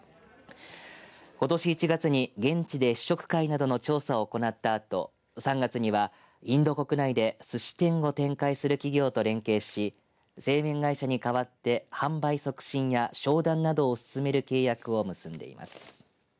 ことし１月に現地で試食会などの調査を行ったあと３月にはインド国内ですし店を展開する企業と連携し製麺会社に代わって販売促進や商談などを進める契約を結んでいます。